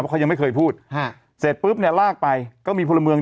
แล้วเขายังไม่เคยพูดหาเสร็จปรึ๊บเนี้ยลากไปก็มีพลมเริง